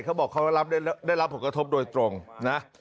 เขาบอกเขาได้รับผลกระทบโดยตรงนะ